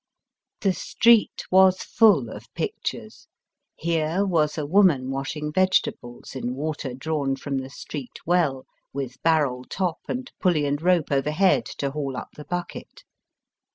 The street was full of pictures. Here was a woman washing vegetables in water drawn from the street well, with barrel top and pulley and rope overhead to haul up the bucket.